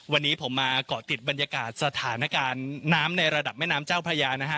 วันนี้ผมมาเกาะติดบรรยากาศสถานการณ์น้ำในระดับแม่น้ำเจ้าพระยานะฮะ